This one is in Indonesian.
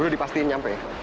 sudah dipastiin sampai